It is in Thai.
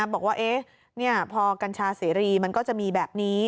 บอกว่าพอกัญชาเสรีมันก็จะมีแบบนี้